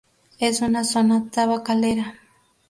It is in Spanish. Es una zona tabacalera.